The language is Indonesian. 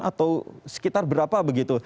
atau sekitar berapa begitu